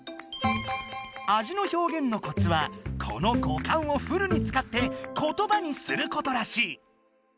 味の表現のコツはこの五感をフルに使って言葉にすることらしい。